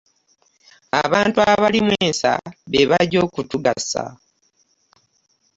“Abantu abalimu ensa be bajja okutugasa"